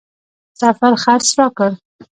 سفر خرڅ راکړ.